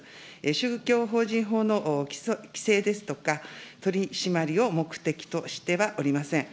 宗教法人法の規制ですとか、取締りを目的としてはおりません。